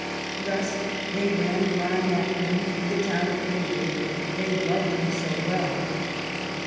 Thus they ran crying after him through the town of Cawood, they loved him so well.